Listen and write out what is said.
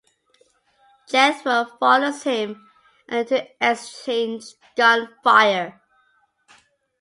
Jethro follows him and the two exchange gun fire.